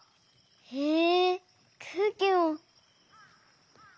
へえくうきも！